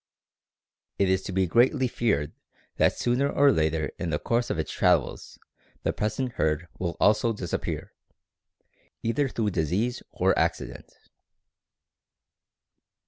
It is to be greatly feared that sooner or later in the course of its travels the present herd will also disappear, either through disease or accident.